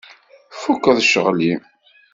Tfukkeḍ ccɣel-im?